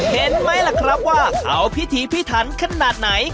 เห็นไหมล่ะครับว่าเขาพิธีพิถันขนาดไหน